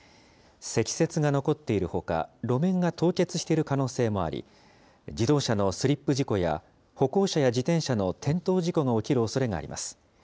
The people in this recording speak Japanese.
積雪が残っているほか、路面が凍結している可能性もあり、自動車のスリップ事故や、歩行者や自転車の転倒事故が起きるおそれがあります。